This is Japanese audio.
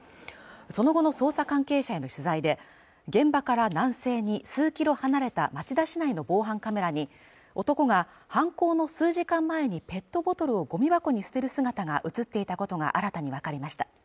その後の捜査関係者への取材で現場から南西に数キロ離れた町田市内の防犯カメラに男が犯行の数時間前にペットボトルをゴミ箱に捨てる姿が映っていたことが新たに分かりました